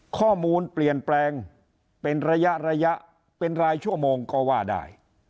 ข้อมูลเปลี่ยนแปลงเป็นระยะระยะเป็นรายชั่วโมงก็ว่าได้